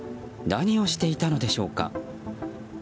何をしていたのでしょうか。